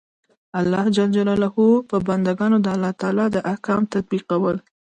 د الله ج په بندګانو د الله تعالی د احکام تطبیقول.